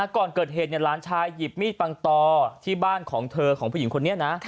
ก่อนเกิดเหตุหลานชายหยิบมีดปังตอที่บ้านของเธอของผู้หญิงคนนี้นะ